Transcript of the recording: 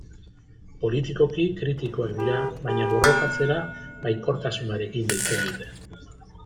Politikoki kritikoak dira baina borrokatzera baikortasunarekin deitzen dute.